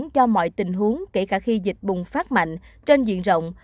cho mọi tình huống kể cả khi dịch bùng phát mạnh trên diện rộng